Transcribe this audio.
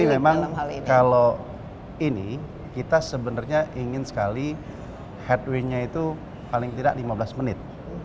jadi memang kalau ini kita sebenarnya ingin sekali headwind nya itu paling tidak lima belas menit